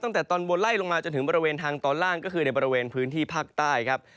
ตั้งแต่ตอนบนไล่ลงมาจนถึงบริเวณทางตอนล่างก็คือในบริเวณพื้นที่ภาคใต้ครับ